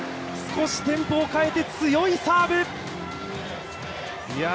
少しテンポを変えて強いサーブ！